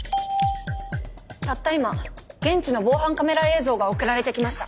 たった今現地の防犯カメラ映像が送られてきました。